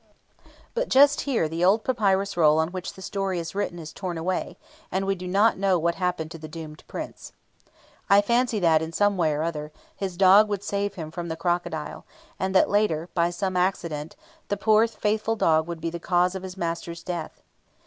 ... But just here the old papyrus roll on which the story is written is torn away, and we do not know what happened to the Doomed Prince. I fancy that, in some way or other, his dog would save him from the crocodile, and that later, by some accident, the poor faithful dog would be the cause of his master's death.